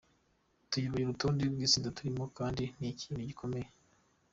Tuyoboye urutonde rw’itsinda turimo kandi ni ikintu gikomeye.